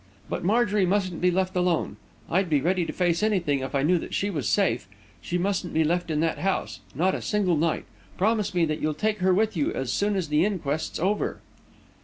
But Marjorie mustn't be left alone. I'd be ready to face anything if I knew that she was safe. She mustn't be left in that house not a single night. Promise me that you'll take her with you as soon as the inquest's over!"